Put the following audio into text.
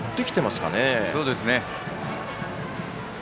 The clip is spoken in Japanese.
そうですね。